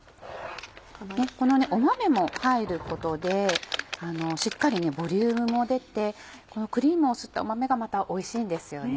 この豆も入ることでしっかりボリュームも出てこのクリームを吸った豆がまたおいしいんですよね。